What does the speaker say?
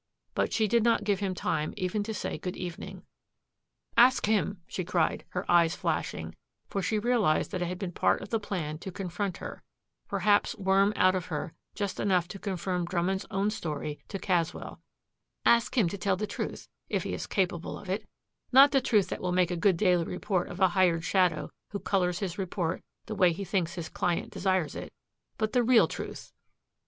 But she did not give him time even to say good evening. "Ask him," she cried, her eyes flashing, for she realized that it had been part of the plan to confront her, perhaps worm out of her just enough to confirm Drummond's own story to Caswell, "ask him to tell the truth if he is capable of it not the truth that will make a good daily report of a hired shadow who colors his report the way he thinks his client desires it, but the real truth."